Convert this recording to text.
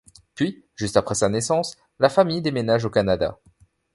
Puis, juste après sa naissance, la famille déménage au Canada.